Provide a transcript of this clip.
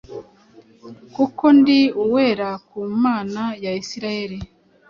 kuko ndi uwera ku Mana ya Isiraheli